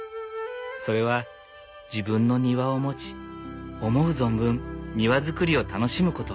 それは自分の庭を持ち思う存分庭造りを楽しむこと。